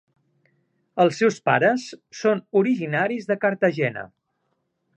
Els seus pares són originaris de Cartagena.